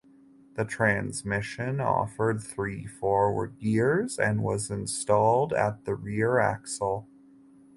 The transmission offered three forward gears and was installed at the rear axle.